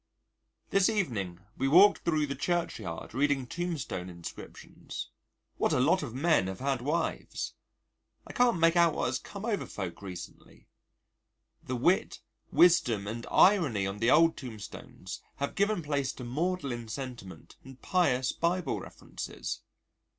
This evening we walked thro' the Churchyard reading tombstone inscriptions. What a lot of men have had wives! I can't make out what has come over folk recently: the wit, wisdom and irony on the old tombstones have given place to maudlin sentiment and pious Bible references.